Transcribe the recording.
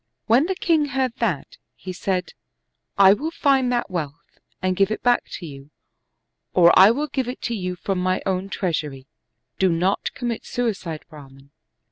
When the king heard that, he said, " I will find that wealth and give it back to you, or I will give it you from my own treasury, do not commit suicide. Brahman."